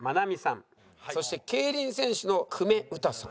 そして競輪選手の久米詩さん。